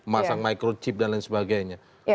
masang microchip dan lain sebagainya